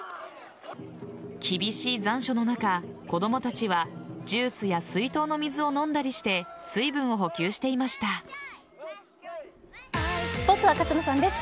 厳しい残暑の中、子供たちはジュースや水筒の水を飲んだりしてスポーツは勝野さんです。